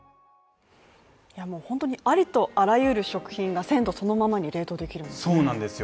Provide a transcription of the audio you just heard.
もう本当に、ありとあらゆる食品が鮮度そのままに冷凍できるそうなんですよ